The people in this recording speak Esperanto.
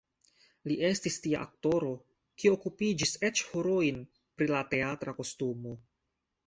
Li estis tia aktoro, kiu okupiĝis eĉ horojn pri la teatra kostumo.